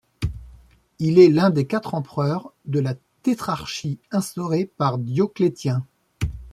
Il est l'un des quatre empereurs de la Tétrarchie instaurée par Dioclétien.